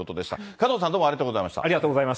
加藤さん、どうもありがとうございました。